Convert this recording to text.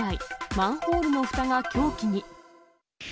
マンホールのふたが凶器に。